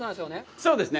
そうですね。